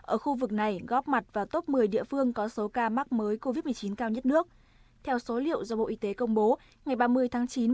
ở khu vực này góp mặt vào top một mươi địa phương có số ca mắc mới covid một mươi chín cao nhất nước theo số liệu do bộ y tế công bố ngày ba mươi tháng chín